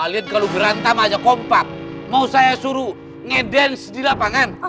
lihat kalau berantem hanya kompak mau saya suruh ngedance di lapangan